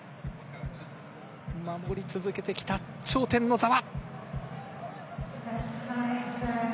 守り続けてきた頂点の座は。